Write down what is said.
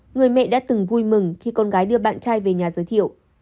người mẹ đã từng vui mừng khi con gái đưa bạn trai về nhà giới thiệu